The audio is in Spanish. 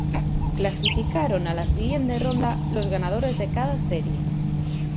Clasificaron a la siguiente ronda los ganadores de cada serie.